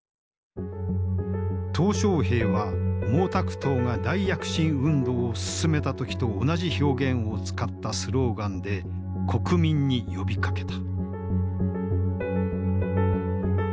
小平は毛沢東が大躍進運動を進めた時と同じ表現を使ったスローガンで国民に呼びかけた。